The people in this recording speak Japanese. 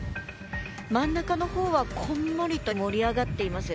真ん中のほうはこんもりと盛り上がっています。